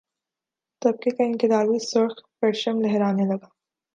طبقے کا انقلابی سرخ پرچم لہرانے لگا